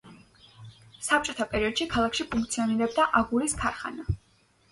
საბჭოთა პერიოდში ქალაქში ფუნქციონირებდა აგურის ქარხანა.